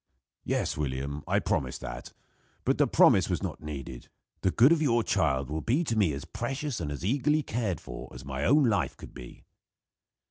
"Yes, William, I promise that. But the promise was not needed. The good of your child will be to me as precious and as eagerly cared for as my own life could be."